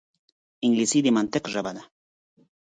انګلیسي د منطق ژبه ده